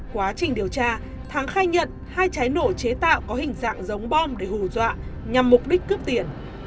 quá trình điều tra thắng khai nhận hai trái nổ chế tạo có hình dạng giống bom để hù dọa nhằm mục đích cướp tiền